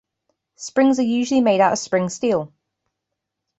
Springs are usually made out of spring steel.